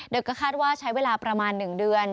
โดยก็คาดว่าใช้เวลาประมาณ๑เดือน